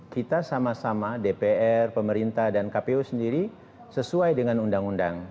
kita sama sama dpr pemerintah dan kpu sendiri sesuai dengan undang undang